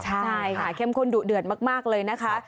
ใช่ค่ะเข้มข้นดุเดือดมากเลยนะคะ